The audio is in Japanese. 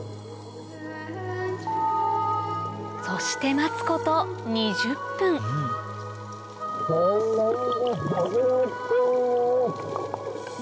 そして待つこと２０分すごっ！